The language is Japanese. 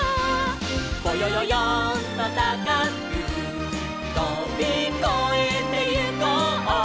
「ぼよよよんとたかくとびこえてゆこう」